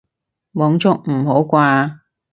網速唔好啩